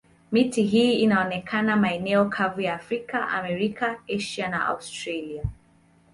Miti hii inatokea maeneo kavu ya Afrika, Amerika, Asia na Australia.